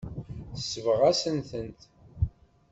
Tesbeɣ-asent-tent.